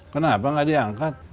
kenapa gak diangkat